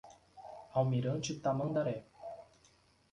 Almirante Tamandaré